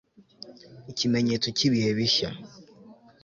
Ikimenyetso cyibihe bishya